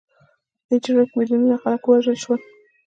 په دې جګړه کې میلیونونو خلک ووژل شول.